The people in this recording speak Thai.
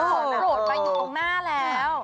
โปรดไปอยู่ตรงหน้าแล้ว